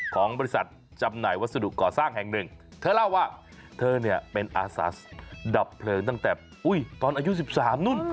ของบริษัทจำหน่ายวัสดุก่อสร้างแห่งหนึ่งเธอเล่าว่าเธอเนี่ยเป็นอาสาดับเพลิงตั้งแต่ตอนอายุ๑๓นู่น